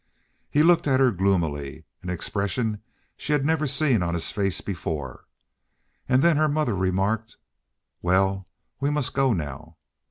He looked at her gloomily—an expression she had never seen on his face before—and then her mother remarked, "Well, we must go now."